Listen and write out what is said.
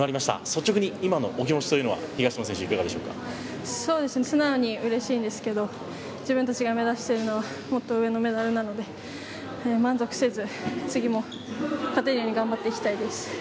率直に今の気持ち素直にうれしいんですが自分たちが目指しているのはもっと上のメダルなので満足せず、次も勝てるように頑張っていきたいです。